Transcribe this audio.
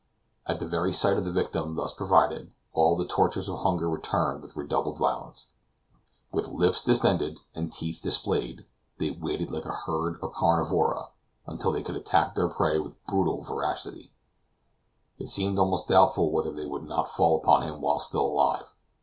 At the very sight of the victim thus provided, all the tortures of hunger returned with redoubled violence. With lips distended, and teeth displayed, they waited like a herd of carnivora until they could attack their prey with brutal voracity; it seemed almost doubtful whether they would not fall upon him while still alive.